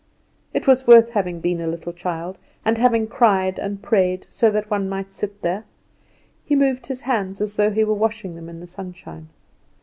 It was worth having been a little child, and having cried and prayed so one might sit there. He moved his hands as though he were washing them in the sunshine.